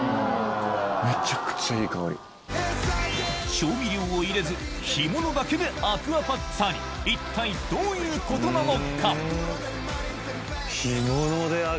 調味料を入れず干物だけでアクアパッツァに一体どういうことなのか？